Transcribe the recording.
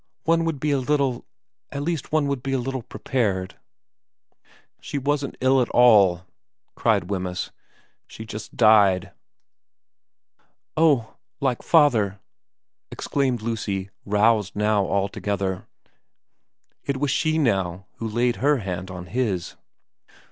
One would be a little at least one would be a little prepared ' She wasn't ill at all,' cried Wemyss. * She just died.' ' Oh like father !' exclaimed Lucy, roused now altogether. It was she now who laid her hand on his.